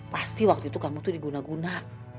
pasti waktu itu kamu tuh diguna guna